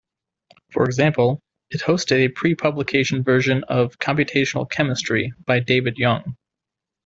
For example, it hosted a pre-publication version of "Computational Chemistry" by David Young.